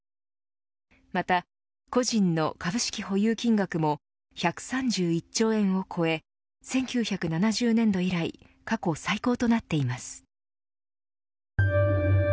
また個人の株式保有金額も１３１兆円を超え１９７０年度以来過去最高となっています。